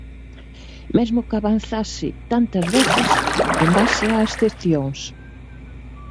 Mesmo que avanzase, tantas veces, en base a excepcións.